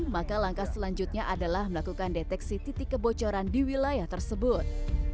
maka langkah selanjutnya adalah melakukan deteksi titik kebocoran di wilayah tersebut